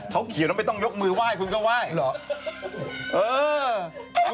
เขาเขียนแล้วไม่ต้องยกมือไหว้คุณก็ไหว้เหรอ